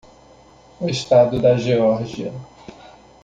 O estado da Geórgia.